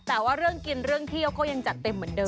แต่ว่าเรื่องกินเรื่องเที่ยวก็ยังจัดเต็มเหมือนเดิ